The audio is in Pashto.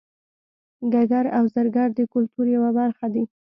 ګګر او زرګر د کولتور یوه برخه دي